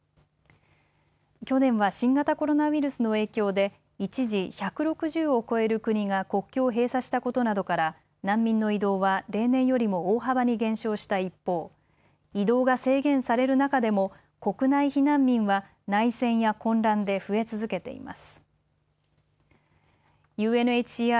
去年は新型コロナウイルスの影響で一時、１６０を超える国が国境を閉鎖したことなどから難民の移動は例年よりも大幅に減少した一方、移動が制限される中でも国内避難民は内戦や混乱で増え続けています。